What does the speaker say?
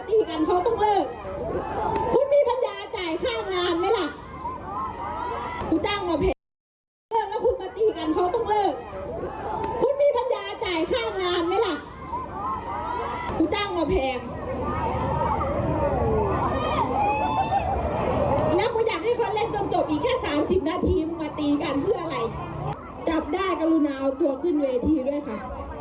อีก๓๐นาทีมึงมาตีกันเพื่ออะไรจับได้กรุณาเอาตัวขึ้นเวทีด้วยค่ะ